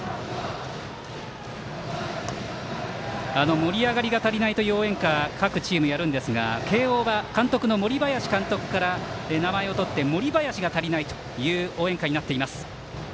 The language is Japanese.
「盛り上がりが足りない」という応援歌各チームやるんですが慶応は監督の森林監督から名前を取って「森林が足りない」という応援歌になっています。